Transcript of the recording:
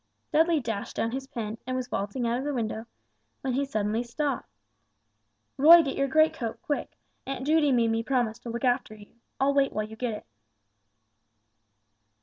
Dudley dashed down his pen, and was vaulting out of the window, when he suddenly stopped. "Roy get your great coat, quick. Aunt Judy made me promise to look after you. I'll wait while you get it."